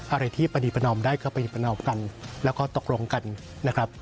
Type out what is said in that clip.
อะไรที่ประดีประนอมได้ก็ประดินประนอมกันแล้วก็ตกลงกันนะครับ